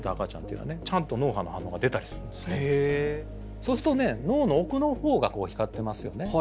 そうすると脳の奥の方が光ってますよね。